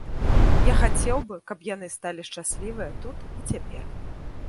Я хацеў бы, каб яны сталі шчаслівыя тут і цяпер.